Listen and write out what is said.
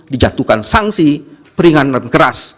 dijatuhkan sanksi peringatan keras